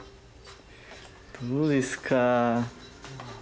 どうですか？